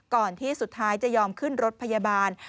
ก่อนที่สุดท้ายจะยอมขึ้นรถพยาบาล